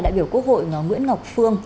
đại biểu quốc hội nguyễn ngọc phương